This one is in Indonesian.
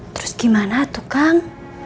terus gimana tuh kang